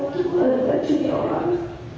mengalami kecewa orang